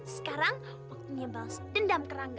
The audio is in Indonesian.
sekarang waktunya balas dendam ke rangga